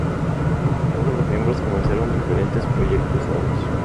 Todos los miembros comenzaron diferentes proyectos nuevos.